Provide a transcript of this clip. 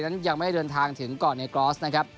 นั้นยังไม่ได้เดินทางถึงก่อนในกรอสนะครับ